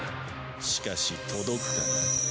しかし届くかな？